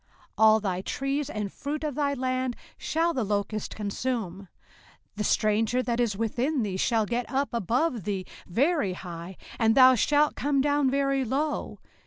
05:028:042 All thy trees and fruit of thy land shall the locust consume. 05:028:043 The stranger that is within thee shall get up above thee very high; and thou shalt come down very low.